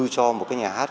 cho một cái nhà hát